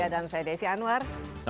dan saya desi anwar